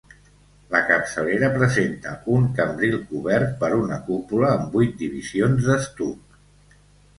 La capçalera presenta un cambril cobert per una cúpula, amb vuit divisions d'estuc.